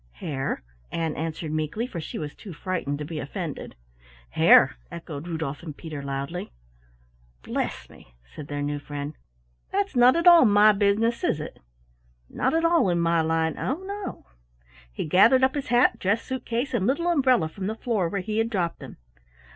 "Hair," Ann answered meekly, for she was too frightened to be offended. "Hair!" echoed Rudolf and Peter loudly. "Bless me," said their new friend, "that's not at all my business, is it? Not at all in my line oh, no!" He gathered up his hat, dress suit case, and little umbrella from the floor where he had dropped them.